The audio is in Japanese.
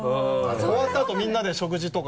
終わったあとみんなで食事とか。